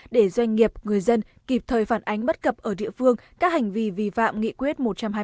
để doanh nghiệp người dân kịp thời phản ánh bất cập ở địa phương các hành vi vi phạm nghị quyết một trăm hai mươi